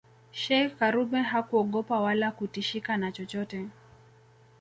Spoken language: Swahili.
Sheikh karume hakuogopa wala kutishika na chochote